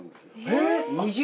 えっ！